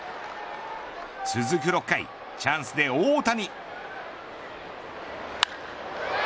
続く６回チャンスで、大谷。